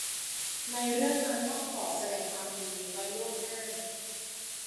ในเรื่องงานต้องขอแสดงความยินดีไว้ล่วงหน้า